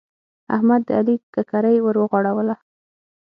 احمد د علي ککرۍ ور ورغړوله.